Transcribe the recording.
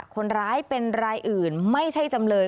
คนร้ายเป็นรายอื่นไม่ใช่จำเลย